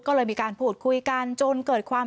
ก็เลยมีการพูดคุยกันจนเกิดความ